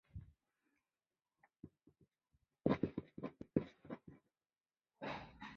所有其他族群的年轻组别所占的百分比则比较大。